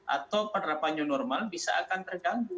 atau penerapkannya normal bisa akan terganggu